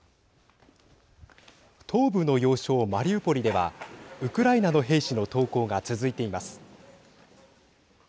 東部の要衝マリウポリではウクライナの兵士の投降が続いています。